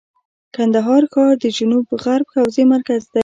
کندهار ښار د جنوب غرب حوزې مرکز دی.